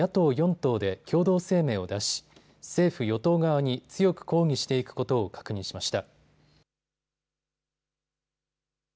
党で共同声明を出し政府与党側に強く抗議していくことを確認しました。